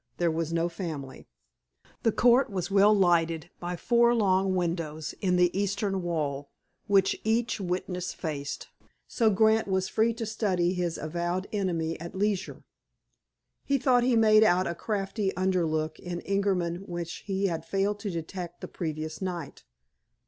There was no family. The court was well lighted by four long windows in the eastern wall, which each witness faced, so Grant was free to study his avowed enemy at leisure. He thought he made out a crafty underlook in Ingerman which he had failed to detect the previous night.